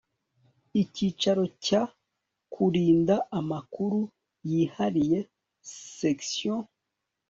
icyiciro cya kurinda amakuru yihariye sectio